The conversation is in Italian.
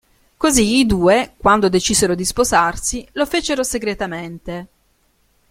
Così i due, quando decisero di sposarsi, lo fecero segretamente.